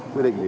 quyết định gì